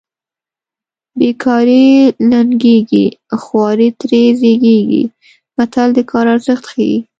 بې کاري لنګېږي خواري ترې زېږېږي متل د کار ارزښت ښيي